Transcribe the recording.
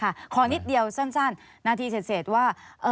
ค่ะขอนิดเดียวสั้นนาธิเศษว่า